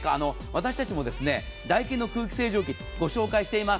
私たちもダイキンの空気清浄機ご紹介しています。